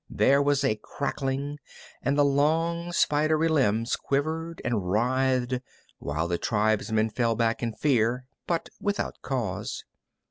There was a crackling, and the long, spidery limbs quivered and writhed, while the tribesmen fell back in fear, but without cause.